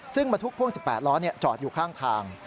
ซึ่งบรรทุกพ่วง๑๘ล้อจอดอยู่ข้างทาง